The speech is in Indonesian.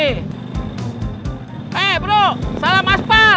eh bro salam aspal